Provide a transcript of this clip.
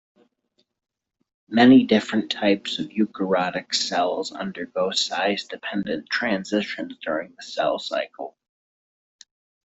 Many different types of eukaryotic cells undergo size-dependent transitions during the cell cycle.